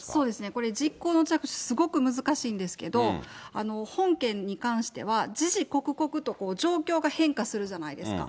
これ、実行の着手、すごく難しいんですけれども、本件に関しては、時々刻々と状況が変化するじゃないですか。